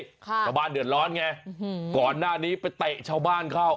ชาวบ้านเดือดร้อนไงก่อนหน้านี้ไปเตะชาวบ้านเข้า